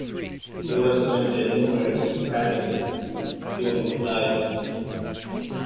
He was granted numerous patents during his life.